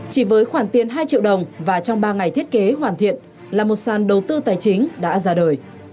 chỉ với khoản tiền hai triệu đồng và trong ba ngày thiết kế hoàn thiện là một sàn đầu tư tài chính đã ra đời